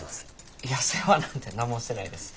いや世話なんて何もしてないです。